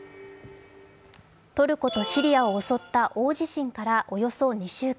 トルコとシリアを襲った大地震からおよそ２週間。